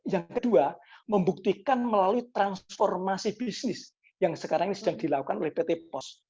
yang kedua membuktikan melalui transformasi bisnis yang sekarang ini sedang dilakukan oleh pt pos